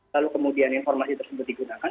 lalu kemudian informasi tersebut digunakan